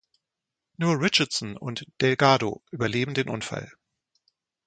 Nur Richardson und Delgado überleben den Unfall.